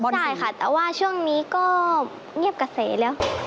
ใช่ค่ะแต่ว่าช่วงนี้ก็เงียบเกษรึยัง